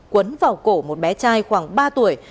quấn vào cổ một bé trai khoảng ba tuổi